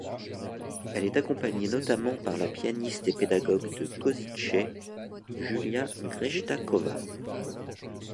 Elle est accompagnée notamment par la pianiste et pédagogue de Košice Júlia Grejtáková.